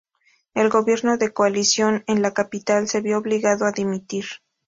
El gobierno de coalición en la capital se vio obligado a dimitir.